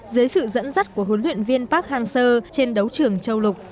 dưới sự dẫn dắt của huấn luyện viên park hang seo trên đấu trường châu lục